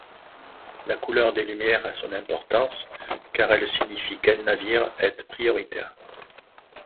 La couleur des lumières a son importance car elles signifient quel navire est prioritaire.